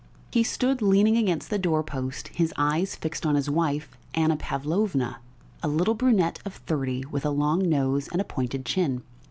He stood leaning against the doorpost, his eyes fixed on his wife, Anna Pavlovna, a little brunette of thirty, with a long nose and a pointed chin.